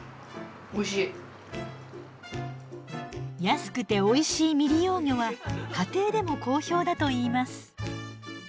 安くておいしい未利用魚は家庭でも好評だといいます。